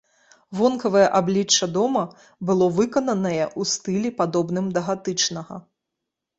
Вонкавае аблічча дома было выкананае ў стылі, падобным да гатычнага.